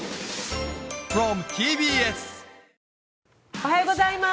おはようございます。